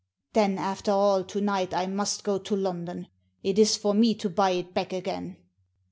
"Then, after all, to night I must go to London. It is for me to buy it back again."